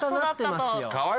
またなってますよ。